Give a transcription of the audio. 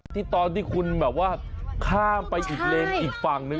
ที่ตอนที่คุณแบบว่าข้ามไปอีกเลนอีกฝั่งนึง